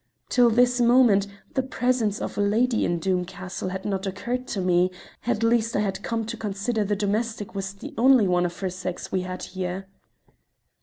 Till this moment the presence of a lady in Doom Castle had not occurred to me at least I had come to consider the domestic was the only one of her sex we had here."